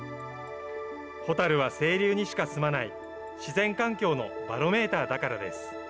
ホタルは清流にしか住まない、自然環境のバロメーターだからです。